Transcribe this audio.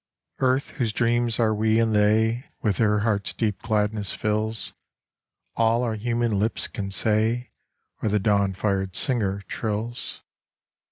Earth, whose dreams are we and they, With her heart's deep gladness fills All our human lips can say, Or the dawn fired singer trills.